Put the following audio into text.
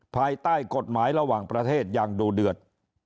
ภายใต้กฎหมายระหว่างประเทศอย่างดูเดือด